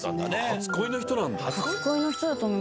初恋の人なんだ。